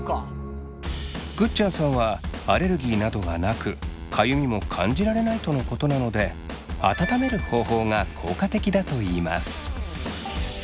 ぐっちゃんさんはアレルギーなどがなくかゆみも感じられないとのことなので「温める」方法が効果的だといいます。